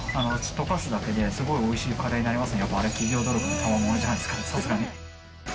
溶かすだけですごいおいしいカレーになりますから、あれ、企業努力のたまものじゃないですか、さすがに。